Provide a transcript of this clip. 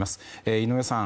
井上さん